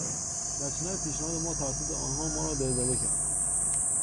رد شدن پیشنهاد ما توسط آنها ما را دلزده کرد.